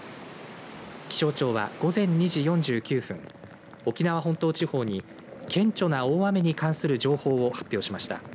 気象庁は午前２時４９分沖縄本島地方に顕著な大雨に関する情報を発表しました。